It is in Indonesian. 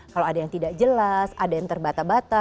kalau ada yang tidak jelas ada yang terbata bata